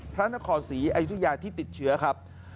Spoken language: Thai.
พระธนโคศีอายุทิยาที่ติดเชื้อครับ